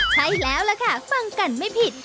ใช่แล้วล่ะค่ะฟังกันไม่ผิด